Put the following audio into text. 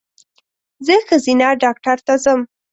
زه ښځېنه ډاکټر ته ځم